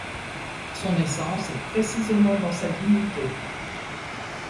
Son essence est précisément dans sa dignité.